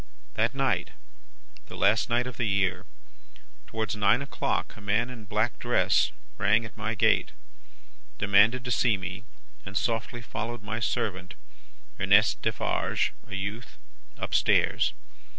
"That night, the last night of the year, towards nine o'clock, a man in a black dress rang at my gate, demanded to see me, and softly followed my servant, Ernest Defarge, a youth, up stairs.